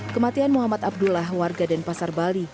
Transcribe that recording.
kematian muhammad abdullah warga denpasar bali